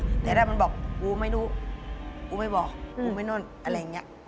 พอได้ดื่มเพราะว่ามีอาการอย่างนั้นอย่างนี้